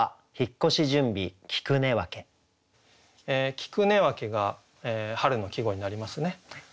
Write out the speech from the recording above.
「菊根分」が春の季語になりますね。